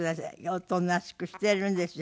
おとなしくしてるんですよ。